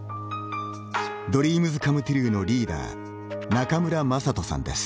ＤＲＥＡＭＳＣＯＭＥＴＲＵＥ のリーダー中村正人さんです。